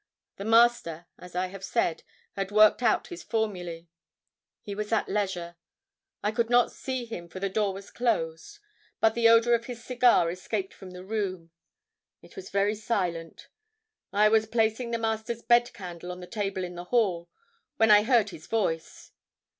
The Master, as I have said, had worked out his formulae. He was at leisure. I could not see him, for the door was closed, but the odor of his cigar escaped from the room. It was very silent. I was placing the Master's bed candle on the table in the hall, when I heard his voice....